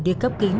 đi cấp kính